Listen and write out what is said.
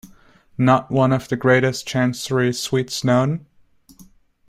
Not of one of the greatest Chancery suits known?